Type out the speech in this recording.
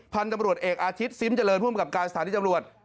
พันธุ์ตำรวจเอกอาทิตย์ซิมเจริญภูมิกับการสถานีตำรวจ